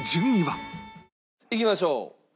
いきましょう。